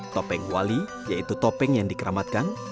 topeng wali yaitu topeng yang dikeramatkan